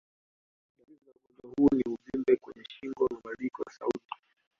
Dalili za ugonjwa huu ni uvimbe kwenye shingo, mabadiliko ya sauti.